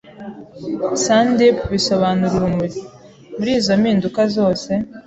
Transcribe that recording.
Sandeep bisobanura urumuri! muri izo mpinduka zose,